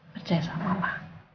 percaya sama mama